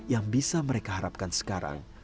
yang bisa mereka harapkan sekarang